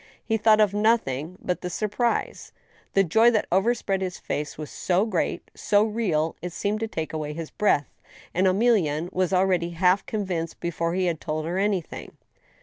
He thought of nothing but the sur The joy that overspread his face was so great, so real, it seemed to take away his breath, and Emilienne was already half convinced before he had told her anything.